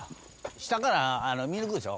下から見えにくいでしょ？